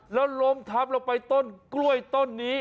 แล้วล้มทับลงไปต้นกล้วยต้นนี้